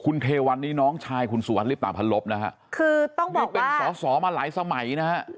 คุณเทวันนี่น้องชายคุณสุวรรลิปตาพันลบนะฮะคือต้องบอกว่าเป็นสอสอมาหลายสมัยนะฮะ